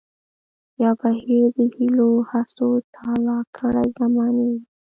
يا بهير د هيلو هڅو تالا کړے زمانې وي